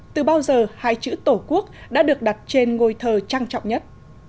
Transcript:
từ bao giờ hai chữ tổ quốc đã được đặt trên ngôi thờ trang trọng nhất